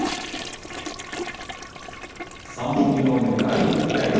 三本木農業から近畿大学。